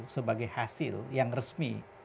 sebagai hasil yang resmi